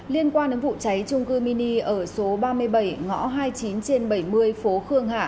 liên quan đến vụ cháy trung cư mini ở số ba mươi bảy ngõ hai mươi chín trên bảy mươi phố khương hạ